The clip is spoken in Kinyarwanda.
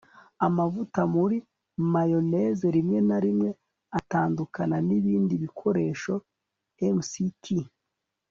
amavuta muri mayoneze rimwe na rimwe atandukana nibindi bikoresho. (mcq